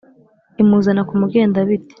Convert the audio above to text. imuzana ku mugenda biti,